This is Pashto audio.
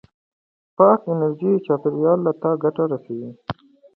پاکه انرژي چاپېریال ته ګټه رسوي.